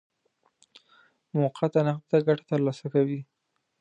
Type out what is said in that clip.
موقته نقده ګټه ترلاسه کوي.